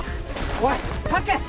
おいっ吐け！